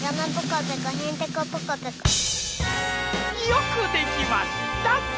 よくできました！